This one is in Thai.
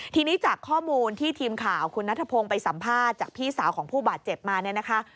ทีนี้จากข้อมูลที่ทีมข่าวคุณนัทพงศ์ไปสัมภาษณ์จากพี่สาวของผู้บาดเจ็บมาเนี่ยนะคะ